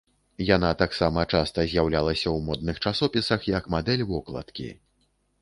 Яна таксама часта з'яўлялася ў модных часопісах як мадэль вокладкі.